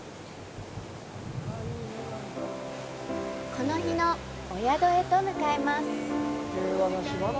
この日のお宿へと向かいます。